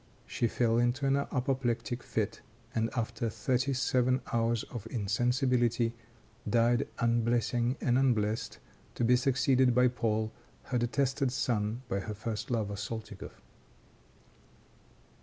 She fell into an apoplectic fit, and, after thirty seven hours of insensibility, died unblessing and unblessed, to be succeeded by Paul, her detested son by her first lover Soltikoff.